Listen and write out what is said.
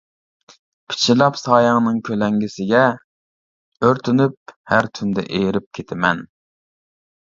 پىچىرلاپ سايەڭنىڭ كۆلەڭگىسىگە، ئۆرتىنىپ ھەر تۈندە ئېرىپ كېتىمەن.